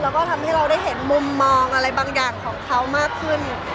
แล้วก็ทำให้เราได้เห็นมุมมองอะไรบางอย่างของเขามากขึ้น